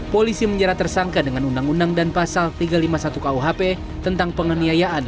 polisi menjerat tersangka dengan undang undang dan pasal tiga ratus lima puluh satu kuhp tentang penganiayaan